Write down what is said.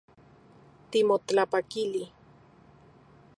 Timotlapakili